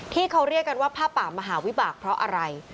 ที่เขาเรียกกันว่าผ้าป่ามหาวิบากเพราะอะไร